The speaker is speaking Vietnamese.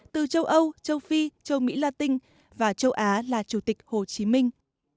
từ châu âu châu phi châu mỹ latin và châu á là chủ tịch hồ chí minh